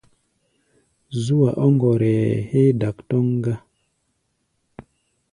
Zú-a ɔ́ ŋgɔrɛɛ héé dak tɔ́ŋ gá.